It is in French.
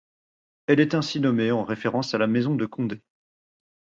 Elle est ainsi nommée en référence à la maison de Condé.